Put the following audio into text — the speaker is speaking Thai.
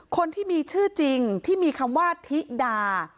คนที่มีชื่อจริงที่มีคำว่าธิดา